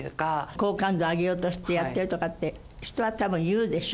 好感度上げようとしてやってるとかって人はたぶん言うでしょ。